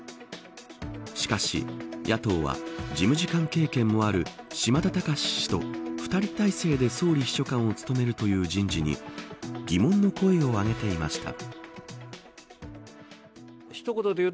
しかし野党は事務次官経験もある嶋田隆氏と２人体制で総理秘書官を務めるという人事に疑問の声をあげていました。